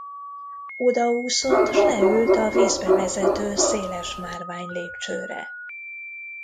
Odaúszott, s leült a vízbe vezető széles márványlépcsőre.